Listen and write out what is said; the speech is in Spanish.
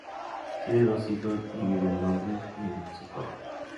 Tiene dos hijos, y vive en Londres y en Suffolk.